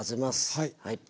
はい。